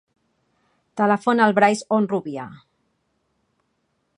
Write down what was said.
Telefona al Brais Honrubia.